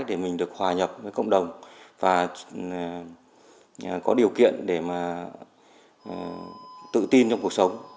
để mình được hòa nhập với cộng đồng và có điều kiện để mà tự tin trong cuộc sống